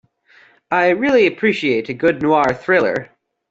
I really appreciate a good noir thriller.